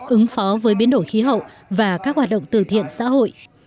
ứng phó với biến đổi khí hậu và các hoạt động từ thiện xã hội